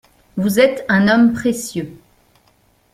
Vous êtes un homme précieux.